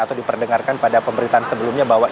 atau diperdengarkan pada pemberitaan sebelumnya bahwa